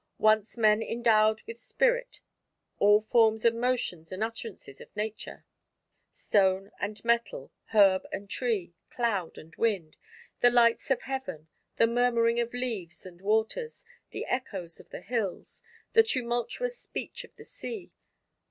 Once men endowed with spirit all forms and motions and utterances of Nature: stone and metal, herb and tree, cloud and wind, the lights of heaven, the murmuring of leaves and waters, the echoes of the hills, the tumultuous speech of the sea.